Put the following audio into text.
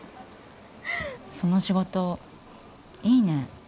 その仕事いいね。